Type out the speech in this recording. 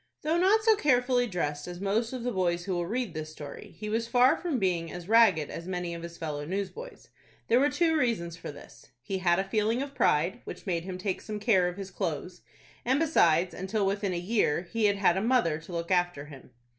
Though not so carefully dressed as most of the boys who will read this story, he was far from being as ragged as many of his fellow newsboys. There were two reasons for this: he had a feeling of pride, which made him take some care of his clothes, and besides, until within a year, he had had a mother to look after him.